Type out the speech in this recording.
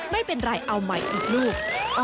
ไม่เป็นไรเอาใหม่อีกลูก